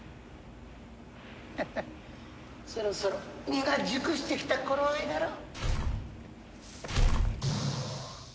ハハッそろそろ実が熟してきた頃合いだろう。